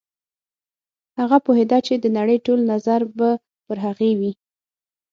هغه پوهېده چې د نړۍ ټول نظر به پر هغې وي.